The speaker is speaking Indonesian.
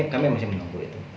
kami masih menunggu itu